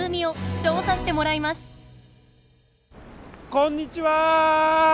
こんにちは！